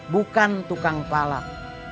bukan tukang palak